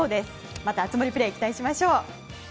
また熱盛プレーに期待しましょう。